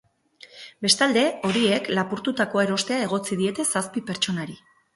Bestalde, horiek lapurtutakoa erostea egotzi diete zazpi pertsonari.